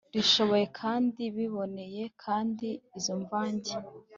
biryoshye kandi biboneye kandi izo mvange